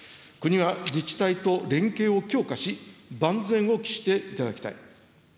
国が自治体と連携を強化し、万全を期していただきたい。